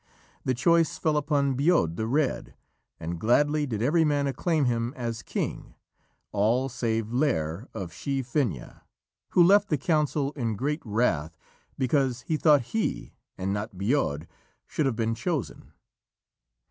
The choice fell upon Bodb the Red, and gladly did every man acclaim him as king, all save Lîr of Shee Finnaha, who left the council in great wrath because he thought that he, and not Bodb, should have been chosen.